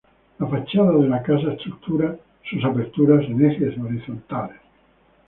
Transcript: La fachada de la casa estructura sus aperturas en ejes horizontales.